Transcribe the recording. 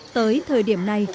tới thời điểm này